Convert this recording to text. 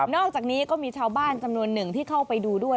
อกจากนี้ก็มีชาวบ้านจำนวนหนึ่งที่เข้าไปดูด้วย